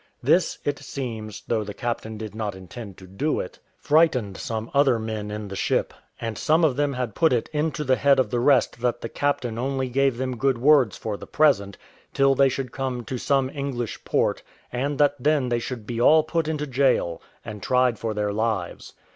This, it seems, though the captain did not intend to do it, frightened some other men in the ship; and some of them had put it into the head of the rest that the captain only gave them good words for the present, till they should come to same English port, and that then they should be all put into gaol, and tried for their lives.